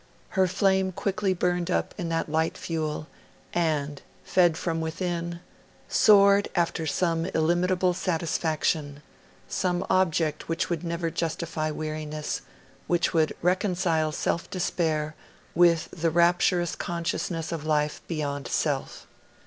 Her flame quickly burned up that light fuel; and, fed from within, soared after some illimitable satisfaction, some object which would never justify weariness, which would reconcile self despair with the rapturous consciousness of life beyond self.